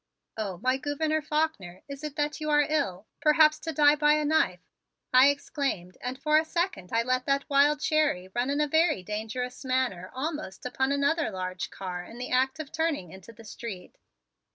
"Oh, my Gouverneur Faulkner, is it that you are ill, perhaps to die by a knife?" I exclaimed and for a second I let that wild Cherry run in a very dangerous manner almost upon another large car in the act of turning into the street.